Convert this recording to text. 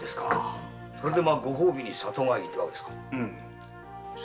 それでご褒美に里帰りってわけですか？